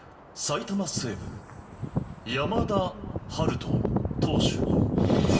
埼玉西武、山田陽翔、投手。